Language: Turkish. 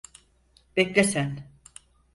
Bekle sen.